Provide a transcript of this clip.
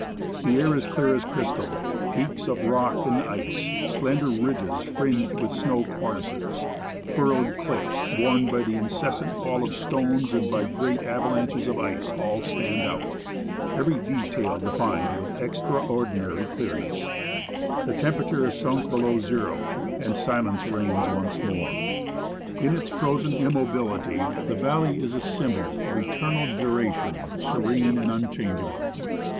The air is clear as crystal. Peaks of rock and ice, slender ridges fringed with snow cornices, M<TUNT ST. EI. IAS AND THE THIRD CASCADE OF NEWTON GLACIER (AFTER SUNSET) furrowed cliffs, worn by the incessant fall of stones and by the great avalanches of ice, all stand out, every detail defined with extraordinary clearness. The temperature has sunk below zero, and silence reigns once more. In its frozen immobility the valley is a symbol of eternal duration, serene and unchangeable.